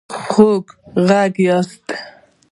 خوږغږي ياست